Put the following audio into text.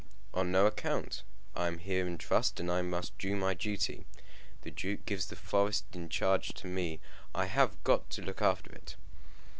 "On no account. I am here in trust, and I must do my duty. The duke gives the forest in charge to me. I have got to look after it."